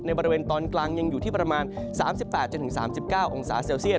บริเวณตอนกลางยังอยู่ที่ประมาณ๓๘๓๙องศาเซลเซียต